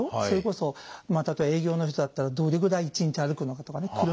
それこそ例えば営業の人だったらどれぐらい一日歩くのかとかね